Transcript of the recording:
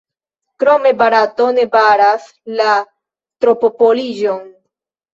Krome Barato ne baras la tropopoliĝon.